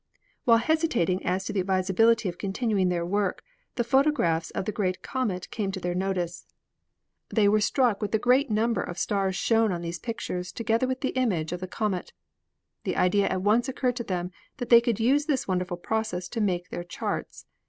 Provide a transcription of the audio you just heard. While hesitating as to the advisability of continuing their work, the photographs of the great comet came to their notice. They were struck with the great number of stars CELESTIAL PHOTOGRAPHY 45 shown on these pictures together with the image of the comet. The idea at once occurred to them that they could use this wonderful process to make their charts.